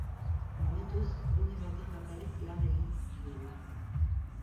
Momentuz, gune batean bakarrik lan egin dugu.